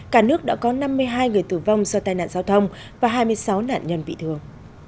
cả nước đã có năm mươi hai người tử vong do tai nạn giao thông và hai mươi sáu nạn nhân bị thương